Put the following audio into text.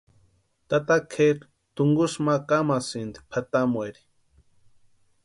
Tata Kʼeri tunkusï ma kamasïnti pʼatamueri.